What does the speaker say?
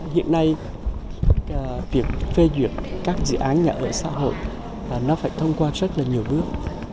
hiện nay việc phê duyệt các dự án nhà ở xã hội nó phải thông qua rất là nhiều bước